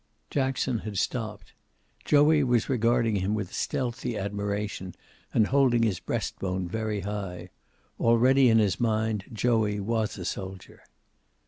Jackson had stopped. Joey was regarding him with stealthy admiration, and holding his breast bone very high. Already in his mind Joey was a soldier.